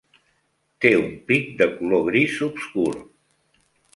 Té un pic de color gris obscur.